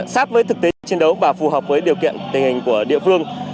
sát với thực tế chiến đấu và phù hợp với điều kiện tình hình của địa phương